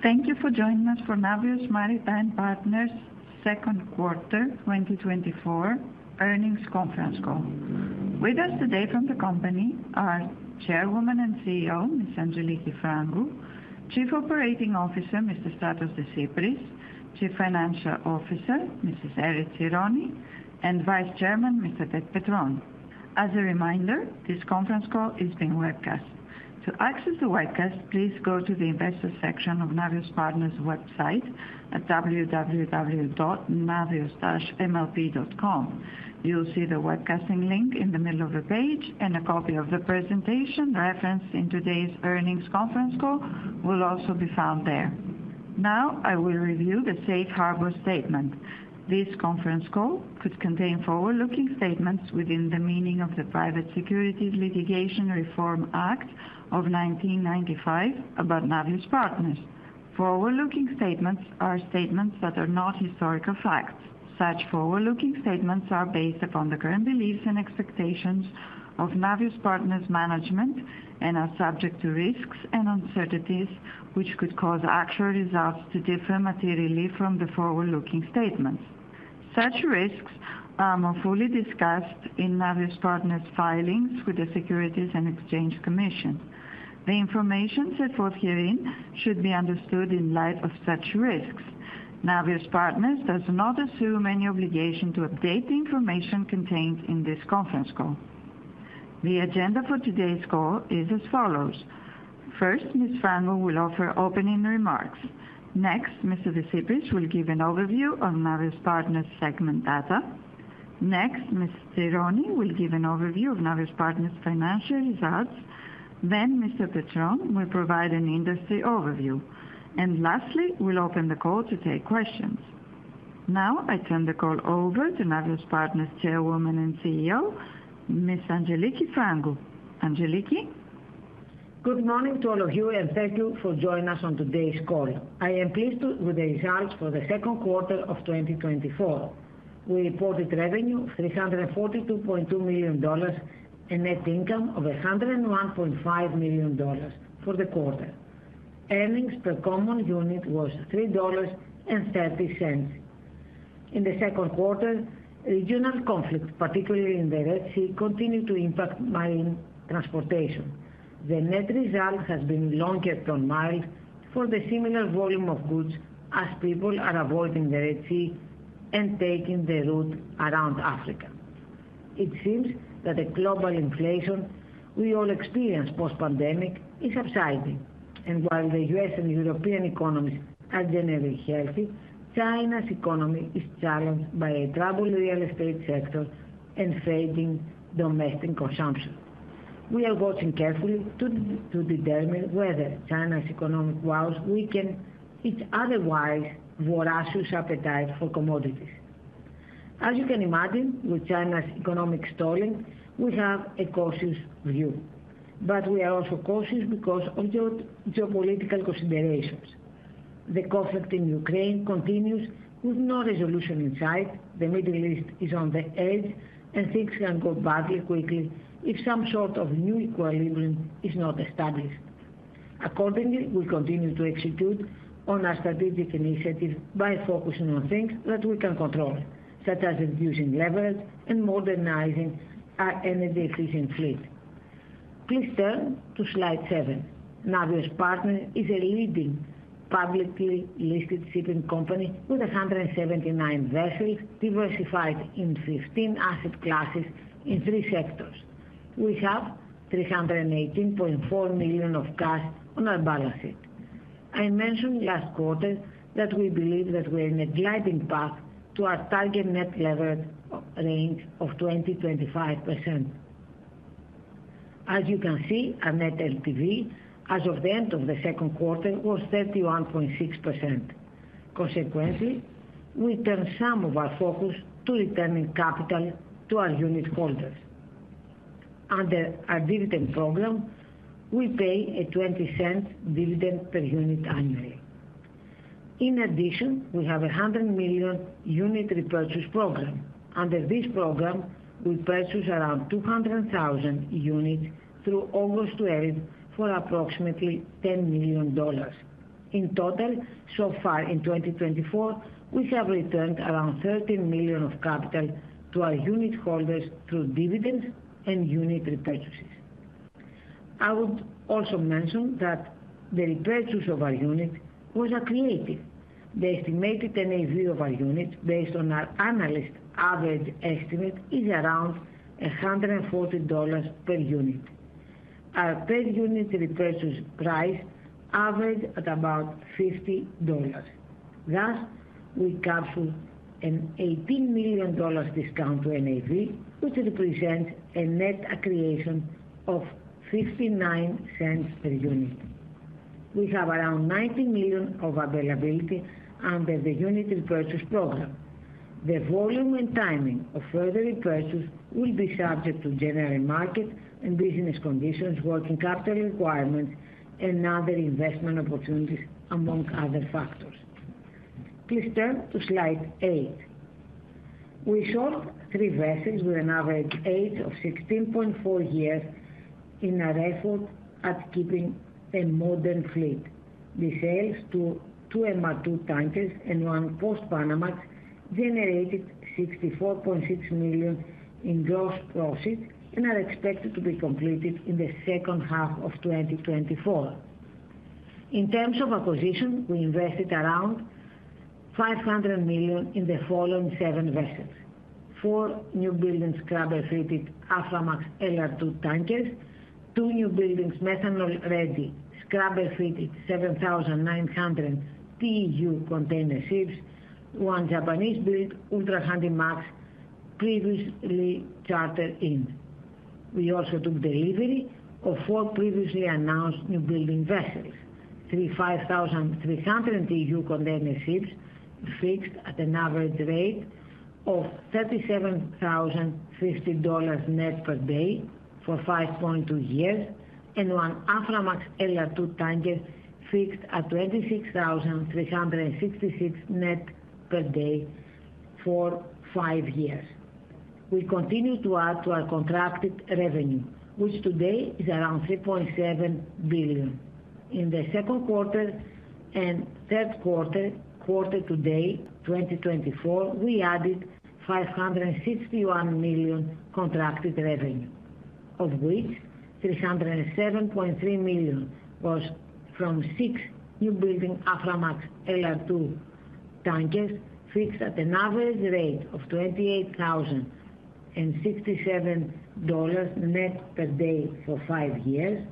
Thank you for joining us for Navios Maritime Partners' second quarter 2024 earnings conference call. With us today from the company are Chairwoman and CEO, Ms. Angeliki Frangou, Chief Operating Officer, Mr. Stratos Desypris, Chief Financial Officer, Mrs. Eri Tsironi, and Vice Chairman, Mr. Ted Petrone. As a reminder, this conference call is being webcast. To access the webcast, please go to the investor section of Navios Partners website at www.navios-mlp.com. You'll see the webcasting link in the middle of the page, and a copy of the presentation referenced in today's earnings conference call will also be found there. Now, I will review the safe harbor statement. This conference call could contain forward-looking statements within the meaning of the Private Securities Litigation Reform Act of 1995 about Navios Partners. Forward-looking statements are statements that are not historical facts. Such forward-looking statements are based upon the current beliefs and expectations of Navios Partners' management and are subject to risks and uncertainties which could cause actual results to differ materially from the forward-looking statements. Such risks are fully discussed in Navios Partners' filings with the Securities and Exchange Commission. The information set forth herein should be understood in light of such risks. Navios Partners does not assume any obligation to update the information contained in this conference call. The agenda for today's call is as follows: First, Ms. Frangou will offer opening remarks. Next, Mr. Desypris will give an overview of Navios Partners segment data. Next, Ms. Tsironi will give an overview of Navios Partners' financial results. Then Mr. Petrone will provide an industry overview, and lastly, we'll open the call to take questions. Now, I turn the call over to Navios Partners Chairwoman and CEO, Ms. Angeliki Frangou. Angeliki? Good morning to all of you, and thank you for joining us on today's call. I am pleased with the results for the second quarter of 2024. We reported revenue of $342.2 million and net income of $101.5 million for the quarter. Earnings per common unit was $3.30. In the second quarter, regional conflicts, particularly in the Red Sea, continued to impact marine transportation. The net result has been longer ton miles for the similar volume of goods as people are avoiding the Red Sea and taking the route around Africa. It seems that the global inflation we all experienced post-pandemic is subsiding, and while the U.S. and European economies are generally healthy, China's economy is challenged by a troubled real estate sector and fading domestic consumption. We are watching carefully to determine whether China's economic woes weaken its otherwise voracious appetite for commodities. As you can imagine, with China's economic stalling, we have a cautious view, but we are also cautious because of geopolitical considerations. The conflict in Ukraine continues with no resolution in sight. The Middle East is on the edge, and things can go badly quickly if some sort of new equilibrium is not established. Accordingly, we continue to execute on our strategic initiatives by focusing on things that we can control, such as reducing leverage and modernizing our energy efficient fleet. Please turn to slide seven. Navios Partners is a leading publicly listed shipping company with 179 vessels diversified in 15 asset classes in three sectors. We have $318.4 million of cash on our balance sheet. I mentioned last quarter that we believe that we are in a gliding path to our target net levered range of 20-25%. As you can see, our net LTV as of the end of the second quarter was 31.6%. Consequently, we turn some of our focus to returning capital to our unit holders. Under our dividend program, we pay a 20-cent dividend per unit annually. In addition, we have a $100 million unit repurchase program. Under this program, we purchased around 200,000 units through August 12 for approximately $10 million. In total, so far in 2024, we have returned around $13 million of capital to our unit holders through dividends and unit repurchases. I would also mention that the repurchase of our unit was accretive. The estimated NAV of our unit, based on our analyst average estimate, is around $140 per unit. Our per unit repurchase price averaged at about $50. Thus, we captured an $18 million discount to NAV, which represents a net accretion of $0.59 per unit. We have around $90 million of availability under the unit repurchase program. The volume and timing of further repurchase will be subject to general market and business conditions, working capital requirements, and other investment opportunities, among other factors. Please turn to slide eight. We sold three vessels with an average age of 16.4 years in an effort at keeping a modern fleet. The sales to two MR2 tankers and one Post-Panamax generated $64.6 million in gross proceeds and are expected to be completed in the second half of 2024. In terms of acquisition, we invested around $500 million in the following seven vessels: four newbuilding scrubber-fitted Aframax LR2 tankers, two newbuildings methanol-ready, scrubber-fitted, 7,900 TEU container ships, one Japanese-built Ultra Handymax, previously chartered in. We also took delivery of four previously announced newbuilding vessels, three 5,300 TEU container ships, fixed at an average rate of $37,050 net per day for 5.2 years, and one Aframax LR2 tanker, fixed at $26,366 net per day for five years. We continue to add to our contracted revenue, which today is around $3.7 billion. In the second quarter and third quarter, quarter to date, 2024, we added $561 million contracted revenue, of which $307.3 million was from six newbuilding Aframax LR2 tankers, fixed at an average rate of $28,067 net per day for five years,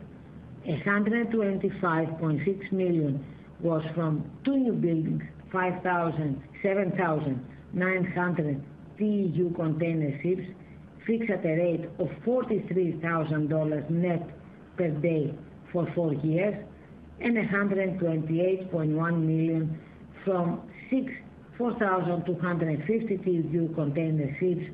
$125.6 million was from two newbuildings, 7,900 TEU container ships, fixed at a rate of $43,000 net per day for four years, and $128.1 million from six 4,250 TEU container ships,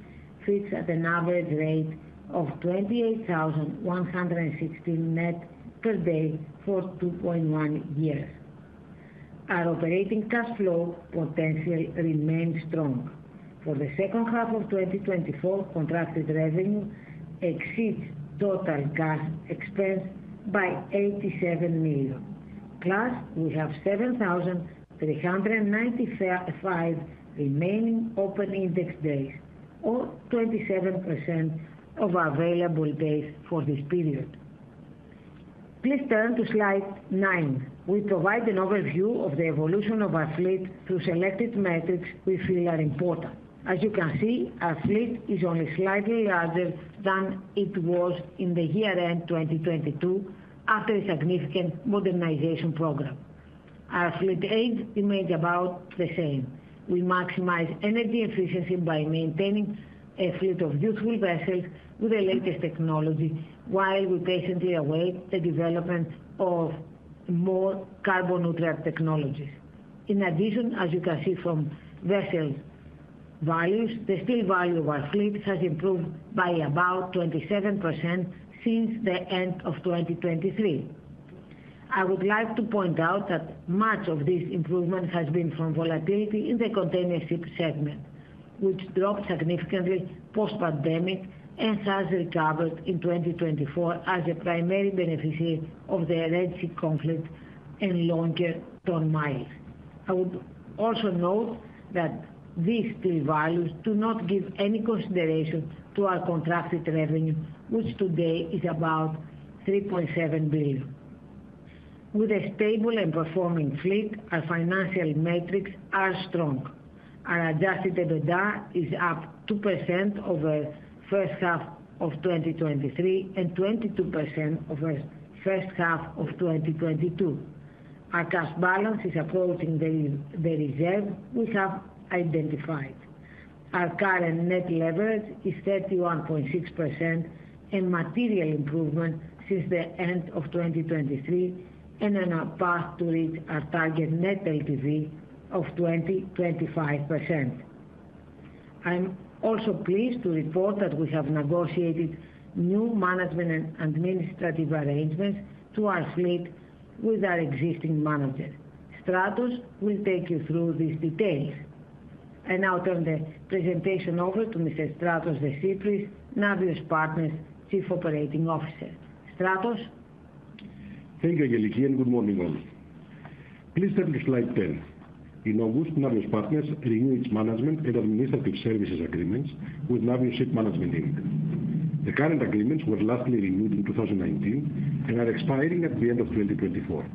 fixed at an average rate of $28,116 net per day for 2.1 years. Our operating cash flow potential remains strong. For the second half of 2024, contracted revenue exceeds total cash expense by $87 million. Plus, we have seven thousand three hundred and ninety-five remaining open index days, or 27% of our available days for this period. Please turn to slide nine. We provide an overview of the evolution of our fleet through selected metrics we feel are important. As you can see, our fleet is only slightly larger than it was in the year-end 2022, after a significant modernization program. Our fleet age remains about the same. We maximize energy efficiency by maintaining a fleet of useful vessels with the latest technology, while we patiently await the development of more carbon-neutral technologies. In addition, as you can see from vessel values, the steel value of our fleet has improved by about 27% since the end of 2023. I would like to point out that much of this improvement has been from volatility in the container ship segment, which dropped significantly post-pandemic and has recovered in 2024 as a primary beneficiary of the Red Sea conflict and longer ton miles. I would also note that these steel values do not give any consideration to our contracted revenue, which today is about $3.7 billion. With a stable and performing fleet, our financial metrics are strong. Our Adjusted EBITDA is up 2% over first half of 2023, and 22% over first half of 2022. Our cash balance is approaching the reserve we have identified. Our current net leverage is 31.6%, and material improvement since the end of 2023, and on a path to reach our target net LTV of 25%. I'm also pleased to report that we have negotiated new management and administrative arrangements to our fleet with our existing manager. Stratos will take you through these details. I now turn the presentation over to Mr. Stratos Desypris, Navios Partners Chief Operating Officer. Stratos? Thank you, Angeliki, and good morning, all. Please turn to slide 10. In August, Navios Partners renewed its management and administrative services agreements with Navios Ship Management Inc. The current agreements were lastly renewed in 2019 and are expiring at the end of 2024.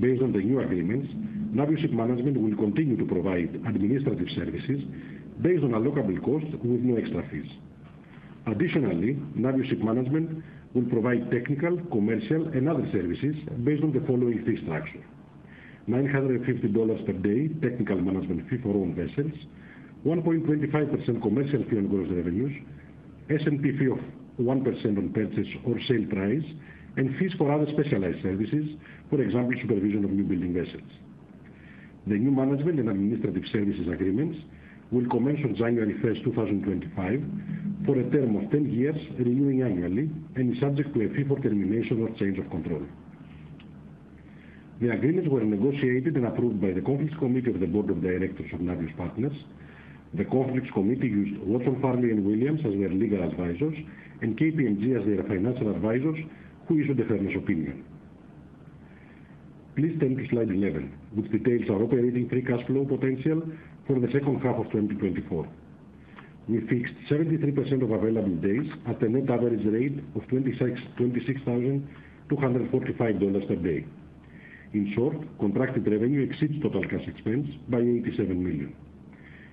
Based on the new agreements, Navios Ship Management will continue to provide administrative services based on allocable costs with no extra fees. Additionally, Navios Ship Management will provide technical, commercial, and other services based on the following fee structure: $950 per day technical management fee for own vessels, 1.25% commercial fee on gross revenues, S&P fee of 1% on purchase or sale price, and fees for other specialized services, for example, supervision of newbuilding vessels. The new management and administrative services agreements will commence on January first, 2025, for a term of ten years, renewing annually and subject to a fee for termination or change of control. The agreements were negotiated and approved by the Conflicts Committee of the Board of Directors of Navios Partners. The Conflicts Committee used Watson Farley & Williams as their legal advisors and KPMG as their financial advisors, who issued a fairness opinion. Please turn to slide 11, which details our operating free cash flow potential for the second half of 2024. We fixed 73% of available days at a net average rate of $26,245 per day. In short, contracted revenue exceeds total cash expense by $87 million,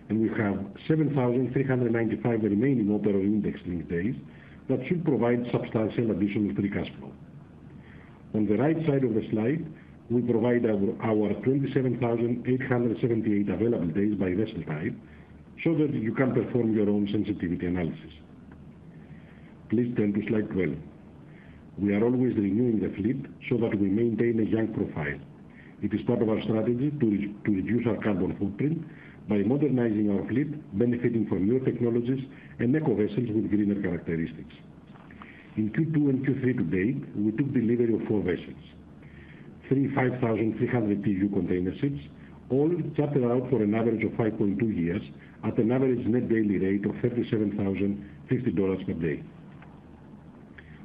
and we have 7,395 remaining operating index days that should provide substantial additional free cash flow. On the right side of the slide, we provide our 27,878 available days by vessel type so that you can perform your own sensitivity analysis. Please turn to slide twelve. We are always renewing the fleet so that we maintain a young profile. It is part of our strategy to reduce our carbon footprint by modernizing our fleet, benefiting from new technologies and eco vessels with greener characteristics. In Q2 and Q3 to date, we took delivery of four vessels, three 5,300 TEU container ships, all chartered out for an average of 5.2 years at an average net daily rate of $37,050 per day.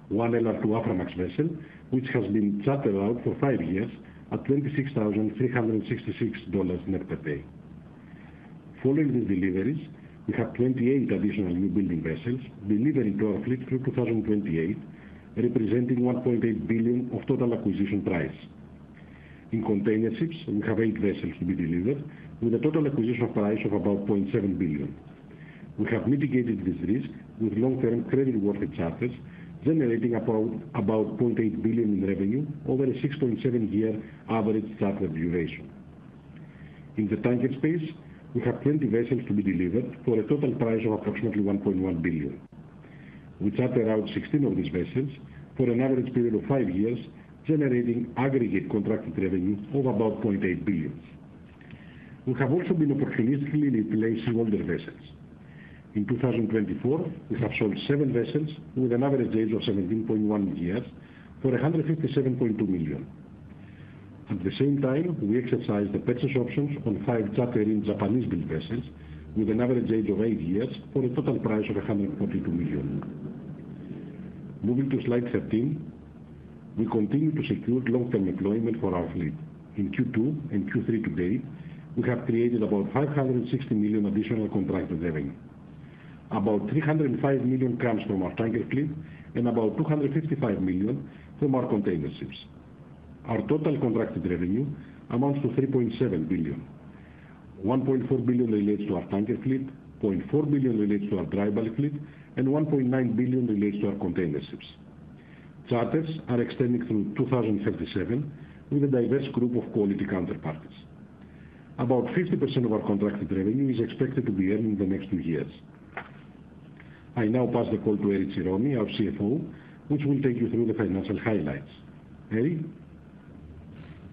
One LR2 Aframax vessel, which has been chartered out for five years at $26,366 net per day. Following these deliveries, we have 28 additional newbuilding vessels delivered to our fleet through 2028, representing $1.8 billion of total acquisition price. In container ships, we have eight vessels to be delivered with a total acquisition price of about $0.7 billion. We have mitigated this risk with long-term creditworthy charters, generating about $0.8 billion in revenue over a 6.7-year average charter duration. In the tanker space, we have 20 vessels to be delivered for a total price of approximately $1.1 billion. We chartered out 16 of these vessels for an average period of 5 years, generating aggregate contracted revenue of about $0.8 billion. We have also been opportunistically replacing older vessels. In 2024, we have sold seven vessels with an average age of 17.1 years for $157.2 million. At the same time, we exercised the purchase options on five charter-in Japanese-built vessels with an average age of eight years for a total price of $142 million. Moving to slide 13, we continue to secure long-term employment for our fleet. In Q2 and Q3 to date, we have created about $560 million additional contracted revenue. About $305 million comes from our tanker fleet and about $255 million from our container ships. Our total contracted revenue amounts to $3.7 billion. $1.4 billion relates to our tanker fleet, $0.4 billion relates to our dry bulk fleet, and $1.9 billion relates to our container ships. Charters are extending through 2037 with a diverse group of quality counterparties. About 50% of our contracted revenue is expected to be earned in the next two years. I now pass the call to Eri Tsironi, our CFO, which will take you through the financial highlights. Eri?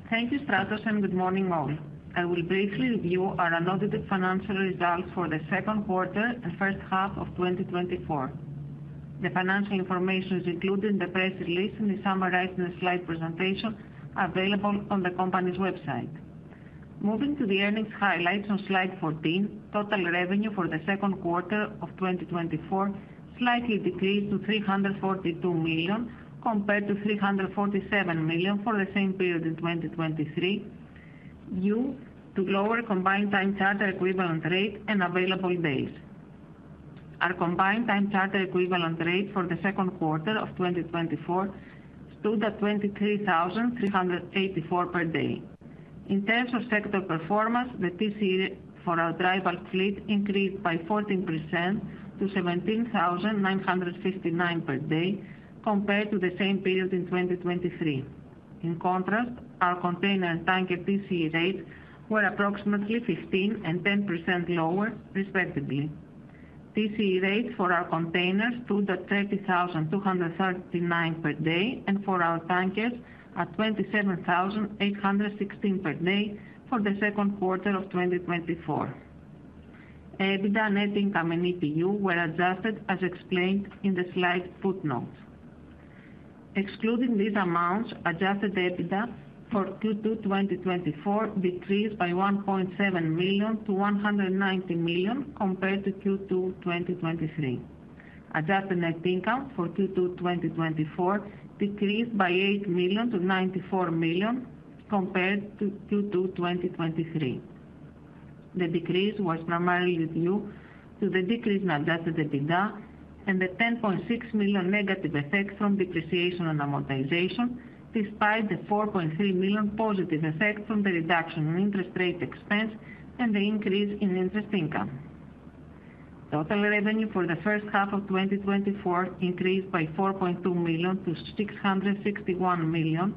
Thank you, Stratos, and good morning, all. I will briefly review our unaudited financial results for the second quarter and first half of 2024. The financial information is included in the press release and is summarized in a slide presentation available on the company's website. Moving to the earnings highlights on slide 14, total revenue for the second quarter of 2024 slightly decreased to $342 million, compared to $347 million for the same period in 2023, due to lower combined time charter equivalent rate and available days. Our combined time charter equivalent rate for the second quarter of 2024 stood at 23,384 per day. In terms of sector performance, the TCE for our dry bulk fleet increased by 14% to $17,959 per day compared to the same period in 2023. In contrast, our container and tanker TCE rates were approximately 15% and 10% lower, respectively. TCE rates for our containers stood at $30,239 per day, and for our tankers at $27,816 per day for the second quarter of 2024. EBITDA, net income and EPU were adjusted as explained in the slide footnotes. Excluding these amounts, adjusted EBITDA for Q2 2024 decreased by $1.7 million to $190 million compared to Q2 2023. Adjusted net income for Q2 2024 decreased by $8 million to $94 million compared to Q2 2023. The decrease was primarily due to the decrease in Adjusted EBITDA and the $10.6 million negative effect from depreciation and amortization, despite the $4.3 million positive effect from the reduction in interest rate expense and the increase in interest income. Total revenue for the first half of 2024 increased by $4.2 million to $661 million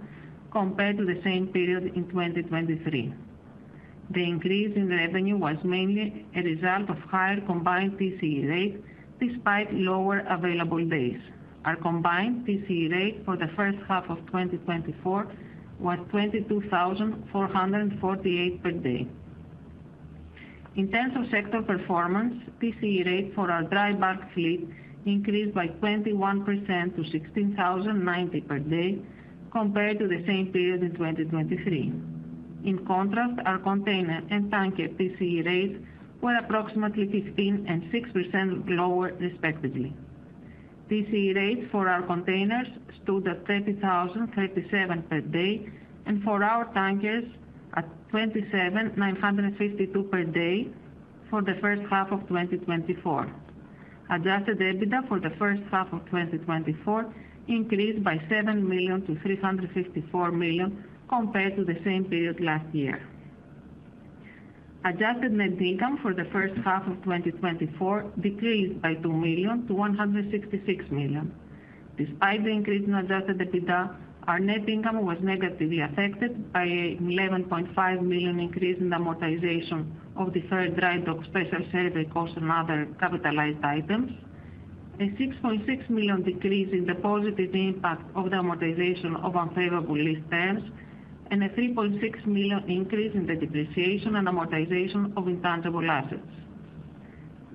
compared to the same period in 2023. The increase in revenue was mainly a result of higher combined TCE rate, despite lower available days. Our combined TCE rate for the first half of 2024 was $22,448 per day. In terms of sector performance, TCE rate for our dry bulk fleet increased by 21% to $16,090 per day, compared to the same period in 2023. In contrast, our container and tanker TCE rates were approximately 15% and 6% lower, respectively. TCE rates for our containers stood at $30,037 per day, and for our tankers at $27,952 per day for the first half of 2024. Adjusted EBITDA for the first half of 2024 increased by $7 million to $354 million compared to the same period last year. Adjusted net income for the first half of 2024 decreased by $2 million to $166 million. Despite the increase in adjusted EBITDA, our net income was negatively affected by an $11.5 million increase in amortization of deferred dry dock, special survey costs and other capitalized items. A $6.6 million decrease in the positive impact of the amortization of unfavorable lease terms, and a $3.6 million increase in the depreciation and amortization of intangible assets.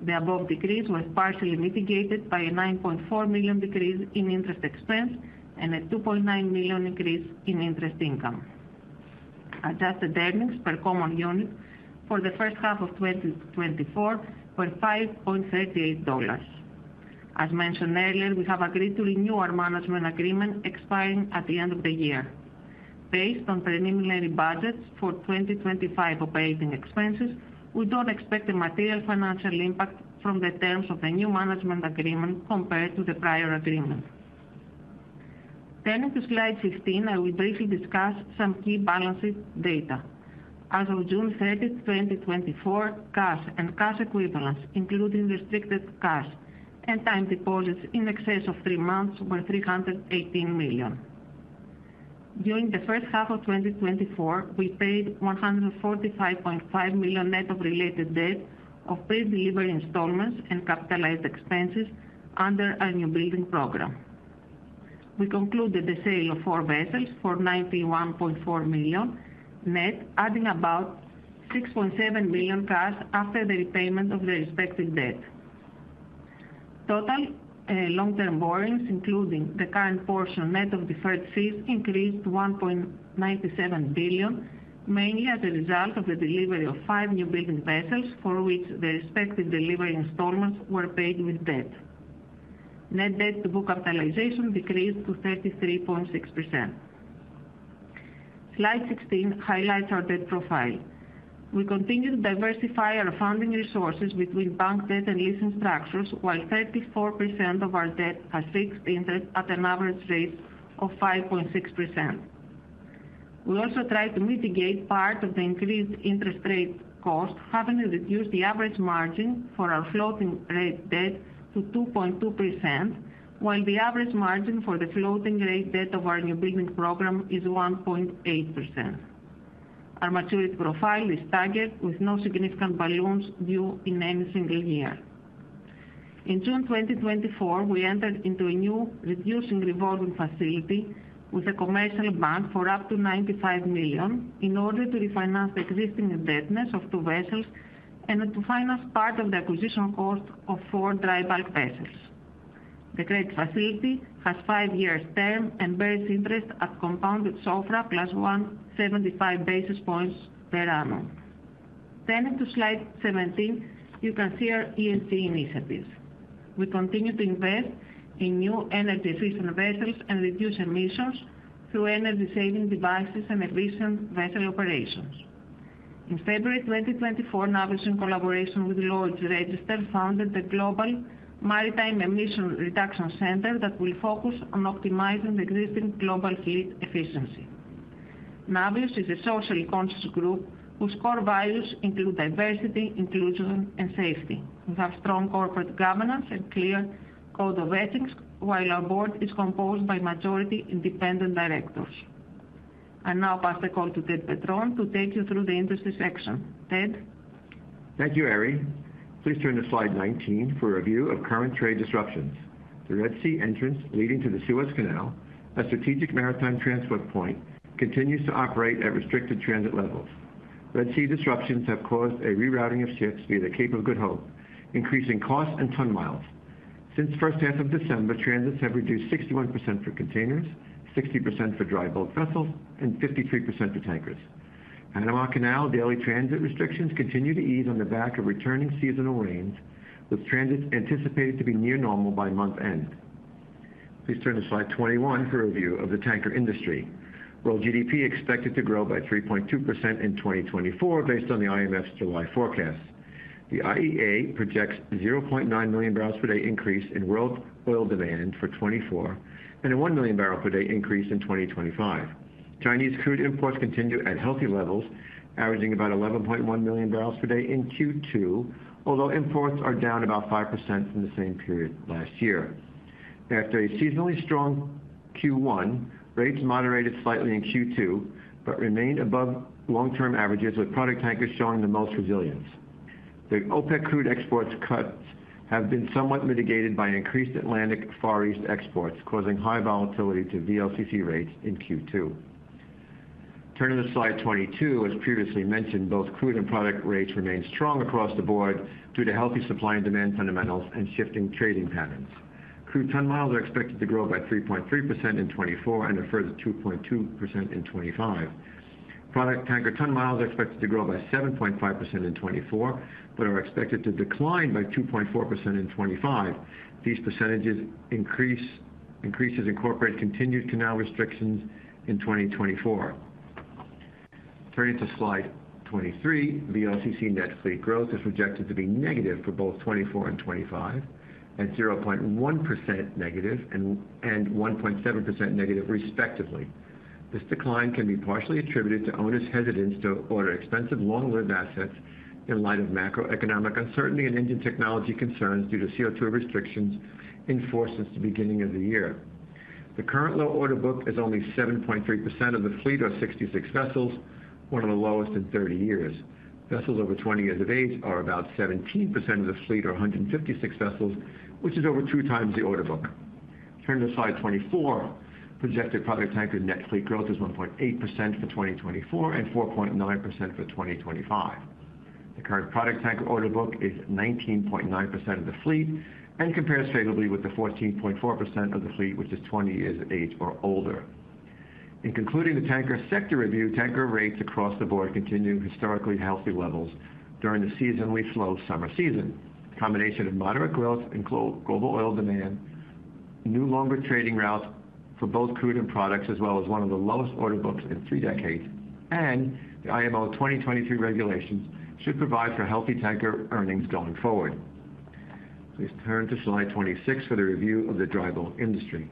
The above decrease was partially mitigated by a $9.4 million decrease in interest expense and a $2.9 million increase in interest income. Adjusted earnings per common unit for the first half of 2024 were $5.38. As mentioned earlier, we have agreed to renew our management agreement expiring at the end of the year. Based on preliminary budgets for 2025 operating expenses, we don't expect a material financial impact from the terms of the new management agreement compared to the prior agreement. Turning to slide 15, I will briefly discuss some key balances data. As of June thirtieth, 2024, cash and cash equivalents, including restricted cash and time deposits in excess of three months, were $318 million. During the first half of 2024, we paid $145.5 million net of related debt of pre-delivery installments and capitalized expenses under our new building program. We concluded the sale of four vessels for $91.4 million net, adding about $6.7 million cash after the repayment of the respective debt. Total, long-term borrowings, including the current portion net of deferred fees, increased to $1.97 billion, mainly as a result of the delivery of five new building vessels for which the respective delivery installments were paid with debt. Net debt to book capitalization decreased to 33.6%. Slide 16 highlights our debt profile. We continue to diversify our funding resources between bank debt and lease financings, while 34% of our debt has fixed interest at an average rate of 5.6%. We also try to mitigate part of the increased interest rate cost, having reduced the average margin for our floating rate debt to 2.2%, while the average margin for the floating rate debt of our newbuilding program is 1.8%. Our maturity profile is staggered, with no significant balloons due in any single year. In June 2024, we entered into a new reducing revolving facility with a commercial bank for up to $95 million in order to refinance the existing indebtedness of two vessels and to finance part of the acquisition cost of four dry bulk vessels. The credit facility has five years term and bears interest at compounded SOFR plus 175 basis points per annum. Turning to slide 17, you can see our ESG initiatives. We continue to invest in new energy efficient vessels and reduce emissions through energy-saving devices and efficient vessel operations. In February 2024, Navios, in collaboration with Lloyd's Register, founded the Global Maritime Emissions Reduction Centre that will focus on optimizing the existing global fleet efficiency. Navios is a socially conscious group whose core values include diversity, inclusion, and safety. We have strong corporate governance and clear code of ethics, while our board is composed by majority independent directors. I now pass the call to Ted Petrone to take you through the industry section. Ted? Thank you, Eri. Please turn to slide 19 for a review of current trade disruptions. The Red Sea entrance leading to the Suez Canal, a strategic maritime transport point, continues to operate at restricted transit levels. Red Sea disruptions have caused a rerouting of ships via the Cape of Good Hope, increasing costs and ton miles. Since first half of December, transits have reduced 61% for containers, 60% for dry bulk vessels, and 53% for tankers. Panama Canal daily transit restrictions continue to ease on the back of returning seasonal rains, with transits anticipated to be near normal by month-end. Please turn to slide 21 for a review of the tanker industry. World GDP expected to grow by 3.2% in 2024, based on the IMF's July forecast. The IEA projects 0.9 million barrels per day increase in world oil demand for 2024 and a 1 million barrel per day increase in 2025. Chinese crude imports continue at healthy levels, averaging about 11.1 million barrels per day in Q2, although imports are down about 5% from the same period last year. After a seasonally strong Q1, rates moderated slightly in Q2, but remained above long-term averages, with product tankers showing the most resilience. The OPEC crude exports cuts have been somewhat mitigated by increased Atlantic Far East exports, causing high volatility to VLCC rates in Q2. Turning to slide 22, as previously mentioned, both crude and product rates remain strong across the board due to healthy supply and demand fundamentals and shifting trading patterns. Crude ton miles are expected to grow by 3.3% in 2024 and a further 2.2% in 2025. Product tanker ton miles are expected to grow by 7.5% in 2024, but are expected to decline by 2.4% in 2025. These percentages increases incorporate continued canal restrictions in 2024. Turning to slide 23, VLCC net fleet growth is projected to be negative for both 2024 and 2025, at -0.1% and 1.7% negative, respectively. This decline can be partially attributed to owners' hesitance to order expensive, long-lived assets in light of macroeconomic uncertainty and engine technology concerns due to CO2 restrictions in force since the beginning of the year. The current low order book is only 7.3% of the fleet, or 66 vessels, one of the lowest in 30 years. Vessels over 20 years of age are about 17% of the fleet, or 156 vessels, which is over two times the order book. Turning to slide 24, projected product tanker net fleet growth is 1.8% for 2024 and 4.9% for 2025. The current product tanker order book is 19.9% of the fleet and compares favorably with the 14.4% of the fleet, which is 20 years of age or older. In concluding the tanker sector review, tanker rates across the board continue historically healthy levels during the seasonally slow summer season. Combination of moderate growth in global oil demand, new longer trading routes for both crude and products, as well as one of the lowest order books in three decades, and the IMO 2022 regulations should provide for healthy tanker earnings going forward. Please turn to slide 26 for the review of the dry bulk industry.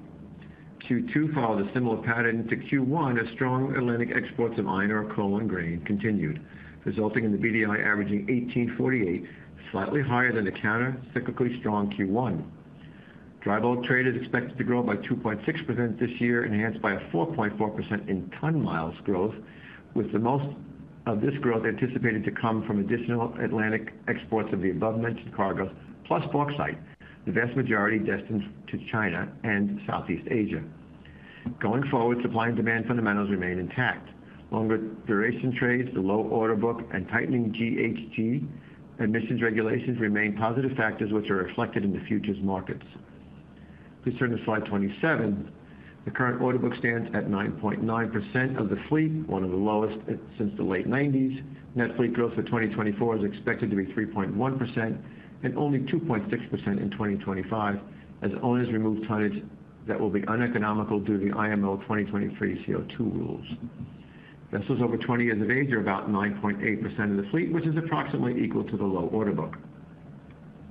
Q2 followed a similar pattern to Q1, as strong Atlantic exports of iron ore, coal, and grain continued, resulting in the BDI averaging 1,848, slightly higher than the countercyclically strong Q1. Dry bulk trade is expected to grow by 2.6% this year, enhanced by a 4.4% in ton miles growth, with the most of this growth anticipated to come from additional Atlantic exports of the above-mentioned cargoes, plus bauxite, the vast majority destined to China and Southeast Asia. Going forward, supply and demand fundamentals remain intact. Longer duration trades, the low order book and tightening GHG emissions regulations remain positive factors which are reflected in the futures markets. Please turn to slide 27. The current order book stands at 9.9% of the fleet, one of the lowest since the late 1990s. Net fleet growth for 2024 is expected to be 3.1% and only 2.6% in 2025, as owners remove tonnage that will be uneconomical due to the IMO 2023 CO2 rules. Vessels over 20 years of age are about 9.8% of the fleet, which is approximately equal to the low order book.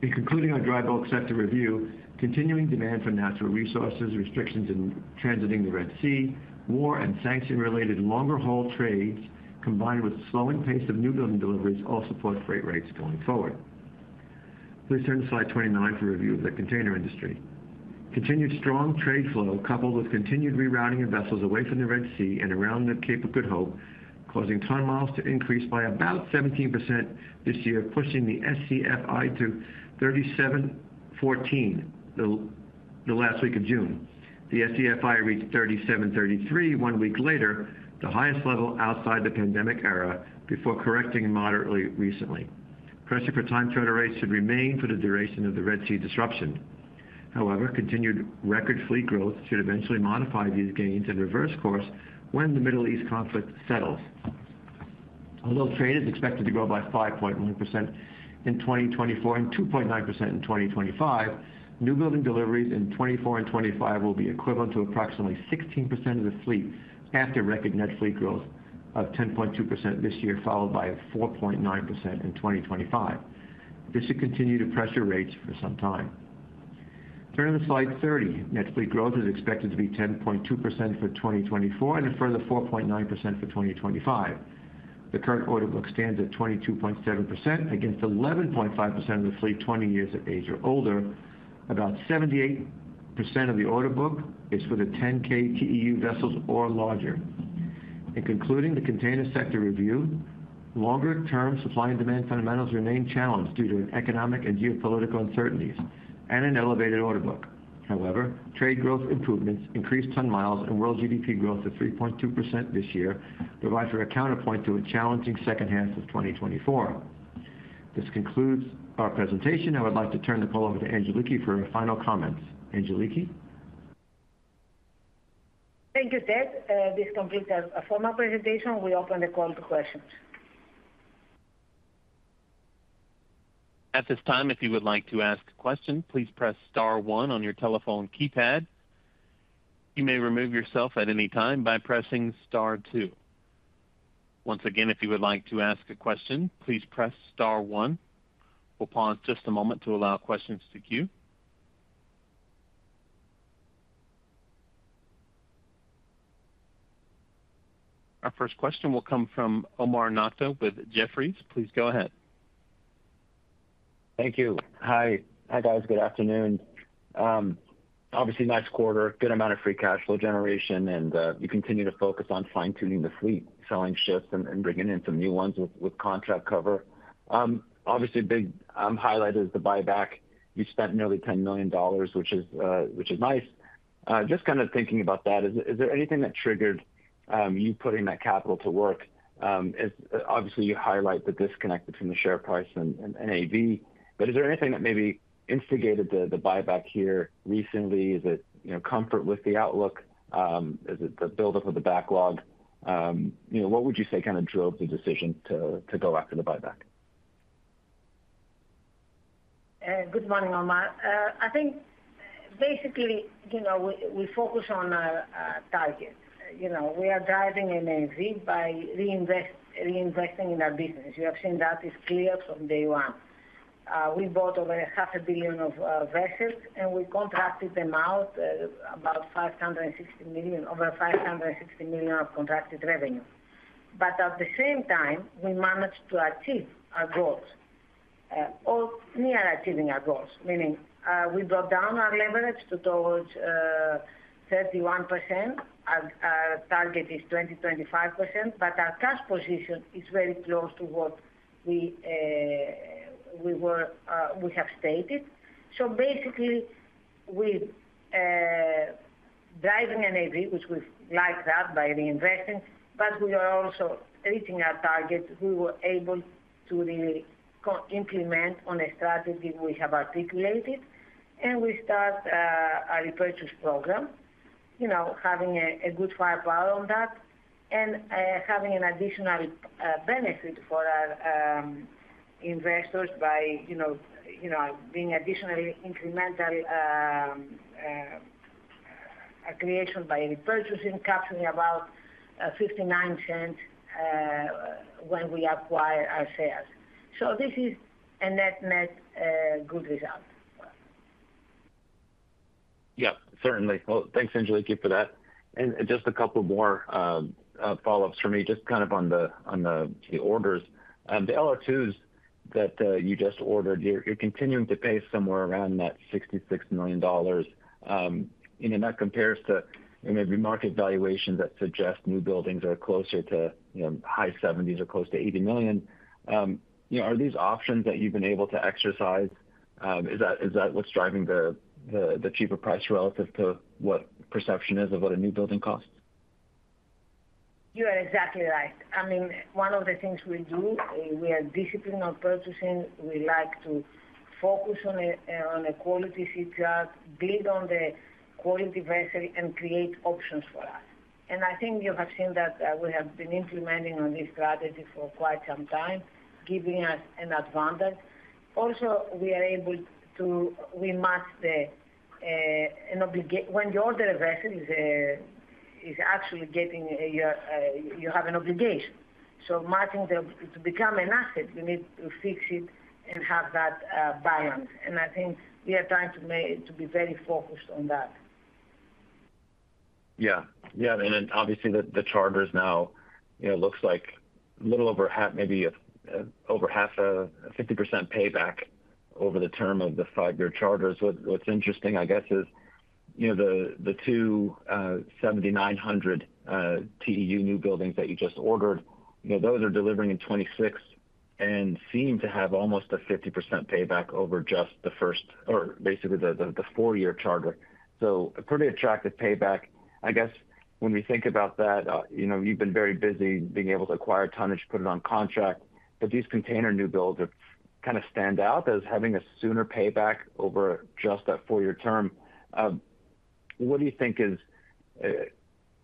In concluding our dry bulk sector review, continuing demand for natural resources, restrictions in transiting the Red Sea, war and sanction-related longer-haul trades, combined with slowing pace of newbuilding deliveries, all support freight rates going forward. Please turn to slide 29 for a review of the container industry. Continued strong trade flow, coupled with continued rerouting of vessels away from the Red Sea and around the Cape of Good Hope, causing ton miles to increase by about 17% this year, pushing the SCFI to $3,714 the last week of June. The SCFI reached $3,733 one week later, the highest level outside the pandemic era, before correcting moderately recently. Pressure for time charter rates should remain for the duration of the Red Sea disruption. However, continued record fleet growth should eventually modify these gains and reverse course when the Middle East conflict settles. Although trade is expected to grow by 5.1% in 2024 and 2.9% in 2025, newbuilding deliveries in 2024 and 2025 will be equivalent to approximately 16% of the fleet after record net fleet growth of 10.2% this year, followed by a 4.9% in 2025. This should continue to pressure rates for some time. Turning to slide 30. Net fleet growth is expected to be 10.2% for 2024 and a further 4.9% for 2025. The current order book stands at 22.7% against 11.5% of the fleet, 20 years of age or older. About 78% of the order book is for the 10K TEU vessels or larger. In concluding the container sector review, longer-term supply and demand fundamentals remain challenged due to economic and geopolitical uncertainties and an elevated order book. However, trade growth improvements, increased ton miles, and world GDP growth of 3.2% this year provide for a counterpoint to a challenging second half of 2024. This concludes our presentation. I would like to turn the call over to Angeliki for her final comments. Angeliki? Thank you, Ted. This completes our formal presentation. We open the call to questions. At this time, if you would like to ask a question, please press star one on your telephone keypad. You may remove yourself at any time by pressing star two. Once again, if you would like to ask a question, please press star one. We'll pause just a moment to allow questions to queue. Our first question will come from Omar Nokta with Jefferies. Please go ahead. Thank you. Hi. Hi, guys. Good afternoon. Obviously, nice quarter, good amount of free cash flow generation, and you continue to focus on fine-tuning the fleet, selling ships and bringing in some new ones with contract cover. Obviously, a big highlight is the buyback. you spent nearly $10 million, which is, which is nice. Just kind of thinking about that, is, is there anything that triggered you putting that capital to work? Obviously, you highlight the disconnect between the share price and, and NAV, but is there anything that maybe instigated the buyback here recently? Is it, you know, comfort with the outlook? Is it the buildup of the backlog? You know, what would you say kind of drove the decision to go after the buyback? Good morning, Omar. I think basically, you know, we focus on our targets. You know, we are driving an NAV by reinvesting in our business. You have seen that is clear from day one. We bought over $500 million of vessels, and we contracted them out, over $560 million of contracted revenue. But at the same time, we managed to achieve our goals or near achieving our goals, meaning we brought down our leverage to towards 31%. Our target is 20%-25%, but our cash position is very close to what we have stated. So basically, we are driving an NAV, which we like that by reinvesting, but we are also reaching our target. We were able to really implement on a strategy we have articulated, and we start a repurchase program, you know, having a good firepower on that and having an additional benefit for our investors by, you know, being additionally incremental creation by repurchasing, capturing about $0.59 when we acquire our shares. So this is a net net good result. Yeah, certainly. Well, thanks, Angeliki, for that. And just a couple more follow-ups for me, just kind of on the orders. The LR2s that you just ordered, you're continuing to pay somewhere around that $66 million. And that compares to maybe market valuations that suggest new buildings are closer to, you know, high $70s or close to $80 million. You know, are these options that you've been able to exercise, is that what's driving the cheaper price relative to what perception is of what a new building costs? You are exactly right. I mean, one of the things we do, we are disciplined on purchasing. We like to focus on a quality shipyard, build on the quality vessel, and create options for us. And I think you have seen that, we have been implementing on this strategy for quite some time, giving us an advantage. Also, we are able to. We match the, an obligation when you order a vessel is actually getting a, you have an obligation. So matching the, to become an asset, you need to fix it and have that, balance, and I think we are trying to be very focused on that. Yeah. Yeah, and then obviously, the charters now, you know, looks like a little over half, maybe over half a 50% payback over the term of the five-year charters. What's interesting, I guess, is, you know, the two 7,900 TEU new buildings that you just ordered, you know, those are delivering in 2026 and seem to have almost a 50% payback over just the first or basically the four-year charter. So a pretty attractive payback. I guess when we think about that, you know, you've been very busy being able to acquire tonnage, put it on contract, but these container new builds are kind of stand out as having a sooner payback over just that four-year term. What do you think is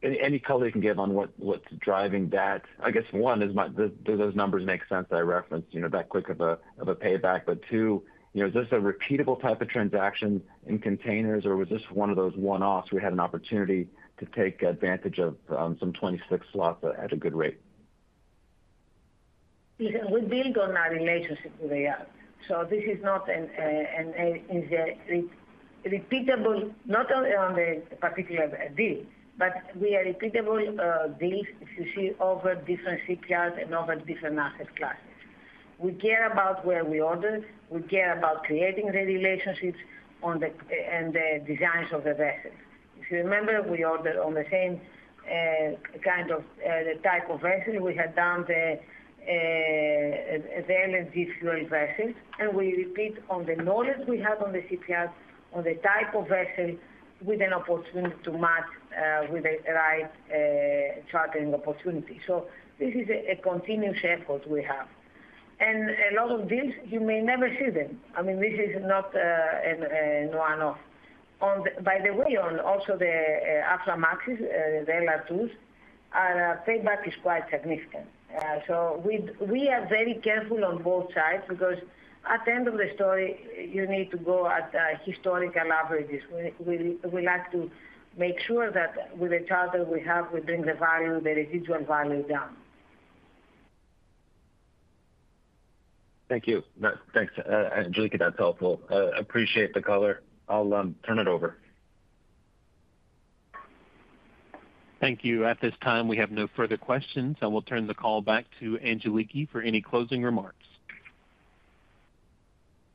any color you can give on what's driving that? I guess one, do those numbers make sense I referenced, you know, that quick of a payback? But two, you know, is this a repeatable type of transaction in containers, or was this one of those one-offs we had an opportunity to take advantage of some twenty-six slots at a good rate? We build on our relationship with the yard. This is not a repeatable, not only on the particular deal, but we are repeatable deals if you see over different shipyards and over different asset classes. We care about where we order. We care about creating the relationships on the and the designs of the vessels. If you remember, we ordered on the same kind of type of vessel. We had done the LNG fuel vessels, and we repeat on the knowledge we have on the CPR, on the type of vessel with an opportunity to match with the right chartering opportunity. This is a continuous effort we have, and a lot of deals you may never see them. I mean, this is not a one-off. On the. By the way, on also the Aframaxes, the LR2s, our payback is quite significant. So we are very careful on both sides because at the end of the story, you need to go at historical averages. We like to make sure that with the charter we have, we bring the value, the residual value down. Thank you. Thanks, Angeliki, that's helpful. Appreciate the color. I'll turn it over. Thank you. At this time, we have no further questions. I will turn the call back to Angeliki for any closing remarks.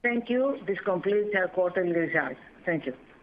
Thank you. This completes our quarter results. Thank you.